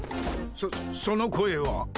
そっその声は。